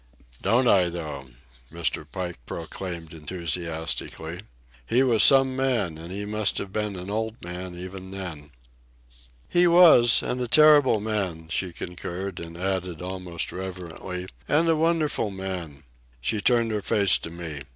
"Don't I though!" Mr. Pike proclaimed enthusiastically. "He was some man, and he must have been an old man even then." "He was, and a terrible man," she concurred, and added, almost reverently: "And a wonderful man." She turned her face to me.